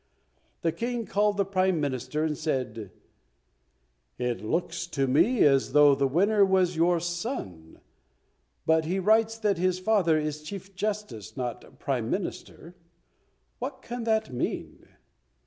The King called the Prime Minister, and said, "It looks to me as though the winner was your son, but he writes that his father is Chief Justice and not Prime Minister; what can that mean?"